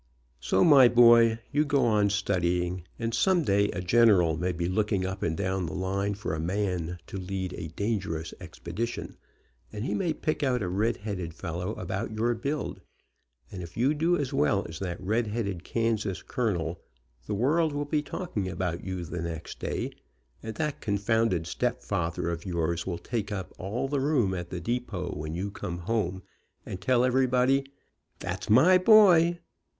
So, my boy, you go on studying, and some day a general may be looking up and down the line for a man to lead a dangerous expedition, and he may pick out a red headed fellow about your build, and if you do as well as that red headed Kansas colonel, the world will be talking about you the next day, and that confounded stepfather of yours will take up all the room at the depot when you come home, and tell everybody, "That's my boy!"